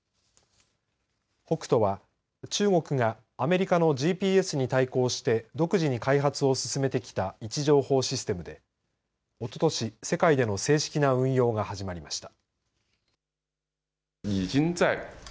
北斗は中国がアメリカのＧＰＳに対抗して独自に開発を進めてきた位置情報システムでおととし、世界での正式な運用が始まりました。